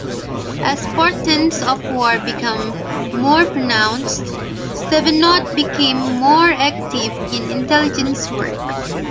As portents of war became more pronounced, Stevenot became more active in intelligence work.